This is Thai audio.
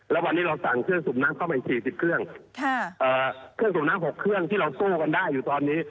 แล้ววันนี้เราสั่งเครื่องสูบน้ำเข้ามาอีก๔๐เครื่องเครื่องสูบน้ำ๖เครื่องที่เราสู้กันได้อยู่ตอนนี้